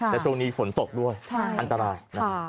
และช่วงนี้ฝนตกด้วยอันตราย